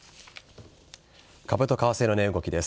株と為替の値動きです。